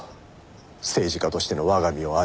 政治家としての我が身を案じてね。